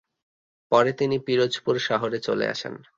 পরে তিনি পিরোজপুর শহরে চলে আসেন।